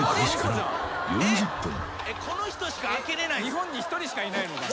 日本に一人しかいないのかな？